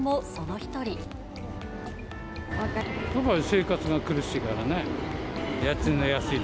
やっぱり生活が苦しいからね。